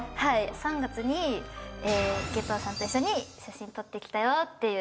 ３月にええ夏油さんと一緒に写真撮ってきたよっていう。